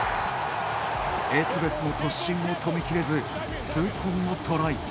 エツベスの突進を止めきれず痛恨のトライ。